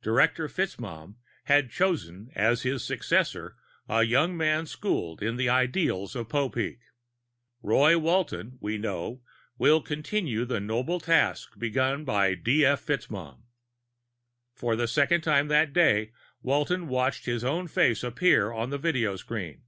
Director FitzMaugham had chosen as his successor a young man schooled in the ideals of Popeek. Roy Walton, we know, will continue the noble task begun by D. F. FitzMaugham." For the second time that day Walton watched his own face appear on a video screen.